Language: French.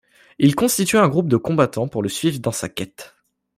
Il constitue un groupe de combattants pour le suivre dans sa quête.